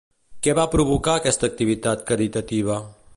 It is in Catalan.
Què va provocar aquesta activitat caritativa?